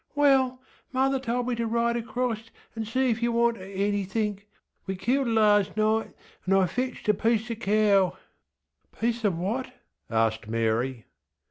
ŌĆśWell, mother told me to ride acrost and see if you wanted anythink. We killed larsŌĆÖ night, and IŌĆÖve fetched a piece er cow. ŌĆÖ ŌĆśPiece of what? ŌĆÖ asked Mary.